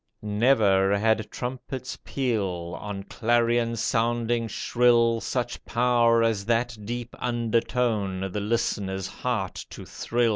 Never had trumpet's peal. On clarion sounding shrill, Such power as that deep undertone The listener's heart to thrill.